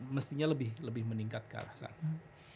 mestinya lebih meningkat ke arah sana